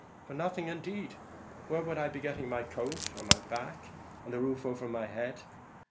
"For nothing indeed! Where would I be getting the coat on my back, and the roof over my head?